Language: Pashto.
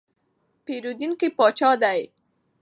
پیرودونکی پاچا دی.